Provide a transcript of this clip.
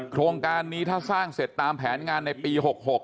โครงการนี้ถ้าสร้างเสร็จตามแผนงานในปี๖๖